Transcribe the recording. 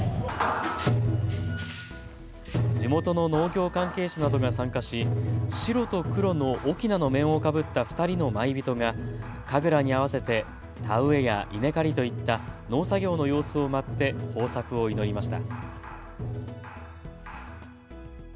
地元の農協関係者などが参加し白と黒のおきなの面をかぶった２人の舞人が神楽に合わせて田植えや稲刈りといった農作業の様子を舞って豊作を祈りました。